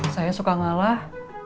saya suka ngalah